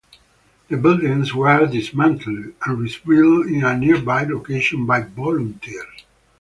The buildings were dismantled and rebuilt in a nearby location by volunteers.